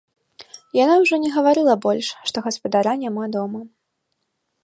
Яна ўжо не гаварыла больш, што гаспадара няма дома.